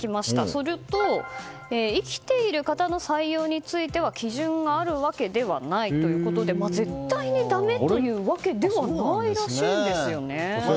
すると生きている方の採用については基準があるわけではないということで絶対にだめというわけではないらしいんですよね。